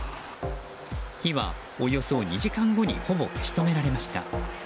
火はおよそ２時間後にほぼ消し止められました。